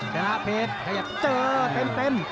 สนาเพชรเจอเต็ม